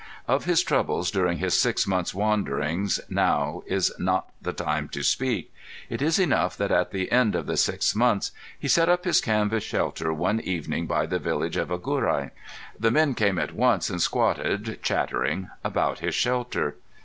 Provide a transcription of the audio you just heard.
Of his troubles during his six months' wanderings now is not the time to speak. It is enough that at the end of the six months he set up his canvas shelter one evening by the village of Agurai. The men came at once and squatted, chattering, about his shelter.